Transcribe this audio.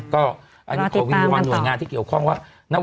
ก็อย่างนี้ความหน่วยงานที่เกี่ยวคร่องว่ารอติดตามกันต่อ